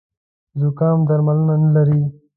زوکام درملنه نه لري